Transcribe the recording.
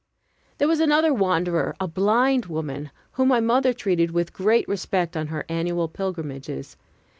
There was another wanderer, a blind woman, whom my mother treated with great respect on her annual pilgrimages.